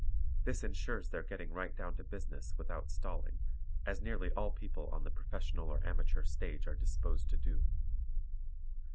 This insures their getting right down to business without "stalling," as nearly all people on the professional or amateur stage are disposed to do.